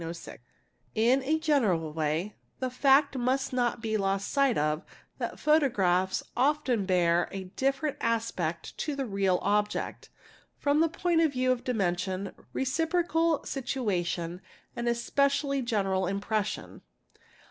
| In a general way the fact must not be lost sight of that photograph often bear a different aspect to the real object, from the point of view dimension, reciprocal situation, and especially general impression.